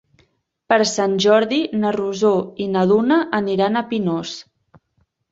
Per Sant Jordi na Rosó i na Duna aniran a Pinós.